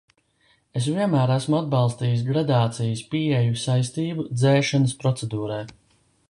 Es vienmēr esmu atbalstījis gradācijas pieeju saistību dzēšanas procedūrai.